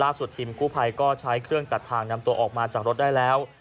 ทีมกู้ภัยก็ใช้เครื่องตัดทางนำตัวออกมาจากรถได้แล้ว